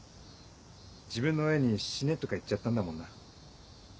自分の親に死ねとか言っちゃったんだもんな。